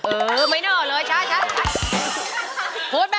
เออก็ไม่หน้อเลยใช่จ๊ะ